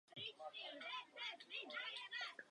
Patřil mezi zakladatele Učitelské unie.